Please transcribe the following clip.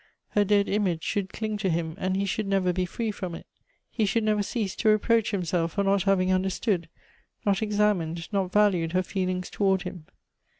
Her dead image should cling to him, and he should never be free from it. He should never cease to reproach him self for not having understood, not examined, not valued her feelings toward him.